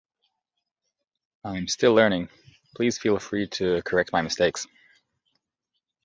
I'm still learning; please feel free to correct my mistakes.